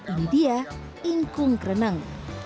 ini dia ingkung kereneng